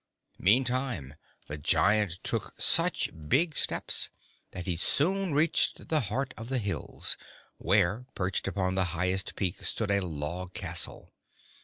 Meantime, the giant took such big steps that he soon reached the heart of the hills, where, perched upon the highest peak, stood a log castle.